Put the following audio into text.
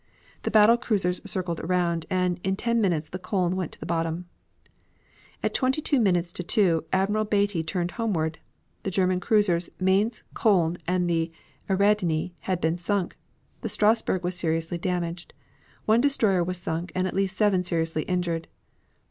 The battle cruisers circled around, and in ten minutes the Koln went to the bottom. At twenty minutes to two, Admiral Beatty turned homeward. The German cruisers Mainz, Koln, and the Ariadne had been sunk; the Strasburg was seriously damaged. One destroyer was sunk, and at least seven seriously injured.